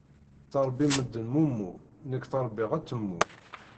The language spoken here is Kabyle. Ttrebbin medden mummu, nekk ttrebbiɣ atemmu.